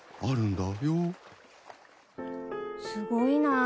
すごいなぁ。